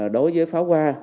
đối với pháo hoa